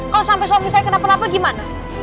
kalau sampai suami saya kena penapa gimana